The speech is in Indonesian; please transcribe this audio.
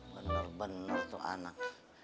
bener bener tuh anak